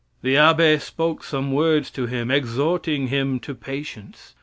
The abbe spoke some words to him, exhorting him to patience.